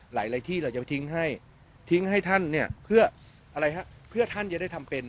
หลายที่เราจะไปทิ้งให้ทิ้งให้ท่านเนี่ยเพื่ออะไรฮะเพื่อท่านจะได้ทำเป็น